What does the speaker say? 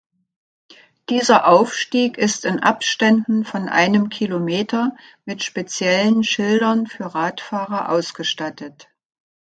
Dieser Aufstieg ist in Abständen von einem Kilometer mit speziellen Schildern für Radfahrer ausgestattet.